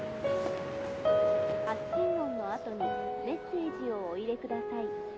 ☎「発信音のあとにメッセージをお入れください」